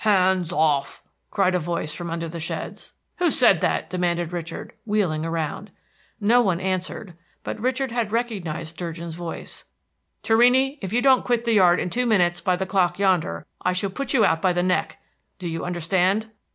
"Hands off!" cried a voice from under the sheds. "Who said that?" demanded Richard, wheeling around. No one answered, but Richard had recognized Durgin's voice. "Torrini, if you don't quit the yard in two minutes by the clock yonder, I shall put you out by the neck. Do you understand?"